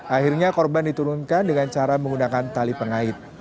akhirnya korban diturunkan dengan cara menggunakan tali pengait